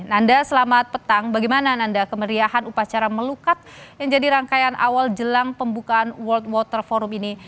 nanda selamat petang bagaimana nanda kemeriahan upacara melukat yang jadi rangkaian awal jelang pembukaan world water forum ini